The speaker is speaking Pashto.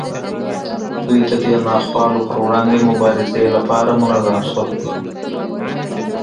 دوی د دې ناخوالو پر وړاندې مبارزې لپاره منظم شول.